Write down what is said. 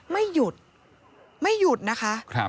ไม่หยุดไม่หยุดนะคะ